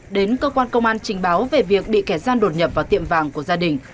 đến cơ quan công an trình báo về việc bị kẻ gian đột nhập vào tiệm vàng của gia đình